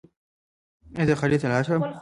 ایا زه خارج ته لاړ شم؟